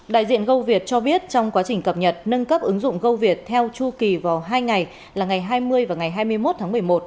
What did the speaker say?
đại diện gâu việt cho biết trong quá trình cập nhật nâng cấp ứng dụng gâu việt theo chu kỳ vào hai ngày là ngày hai mươi và ngày hai mươi một tháng một mươi một